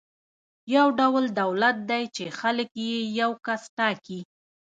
یو ډول دولت دی چې خلک یې یو کس ټاکي.